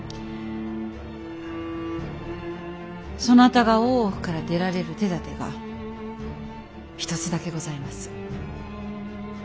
そなたが大奥から出られる手だてが一つだけございます。